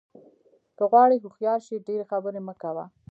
که غواړې هوښیار شې ډېرې خبرې مه کوه.